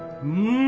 うん。